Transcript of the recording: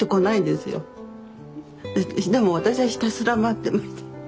でも私はひたすら待って待って。